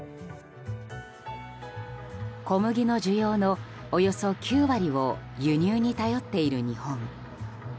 小麦の需要のおよそ９割を輸入に頼っている日本。